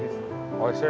おいしい。